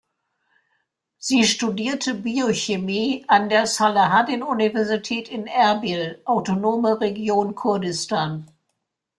Sie studierte Biochemie an der Salahaddin-Universität in Erbil, Autonome Region Kurdistan.